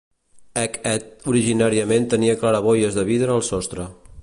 Hec Ed originàriament tenia claraboies de vidre al sostre.